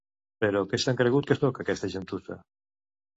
Però què s'han cregut que soc, aquesta gentussa?